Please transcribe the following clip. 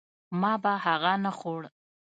ما به هغه نه خوړ.